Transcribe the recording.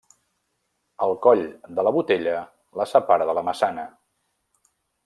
El coll de la Botella la separa de la Massana.